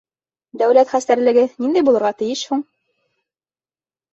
Дәүләт хәстәрлеге ниндәй булырға тейеш һуң?